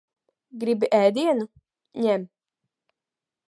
Gribi ēdienu? Ņem.